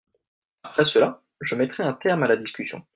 Après cela, je mettrai un terme à la discussion.